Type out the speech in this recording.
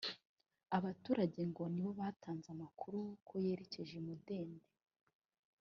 Abaturage ngo ni bo batanze amakuru ko yerekeje i Mudende